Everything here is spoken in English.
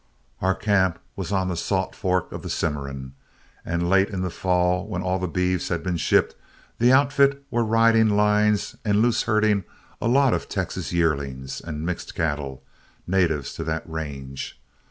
"Our camp was on the Salt Fork of the Cimarron, and late in the fall when all the beeves had been shipped, the outfit were riding lines and loose herding a lot of Texas yearlings, and mixed cattle, natives to that range.